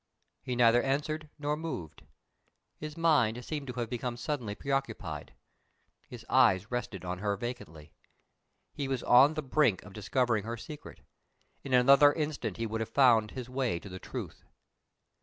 He neither answered nor moved. His mind seemed to have become suddenly preoccupied; his eyes rested on her vacantly. He was on the brink of discovering her secret; in another instant he would have found his way to the truth.